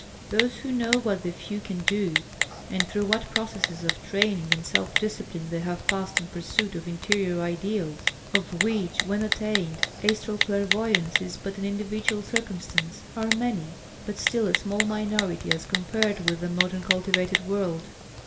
Those who know what the few can do, and through what processes of training and self discipline they have passed in pursuit of interior ideals, of which when attained astral clairvoyance is but an individual circumstance, are many, but still a small minority as compared with the modern cultivated world.